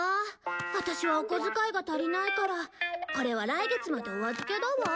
ワタシはお小遣いが足りないからこれは来月までお預けだわ。